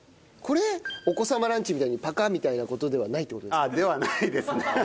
これお子様ランチみたいにパカッみたいな事ではないって事ですね？